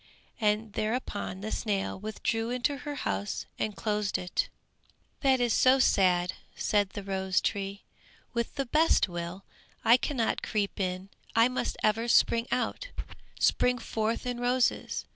And thereupon the snail withdrew into her house and closed it. "That is so sad," said the rose tree, "with the best will, I cannot creep in, I must ever spring out, spring forth in roses.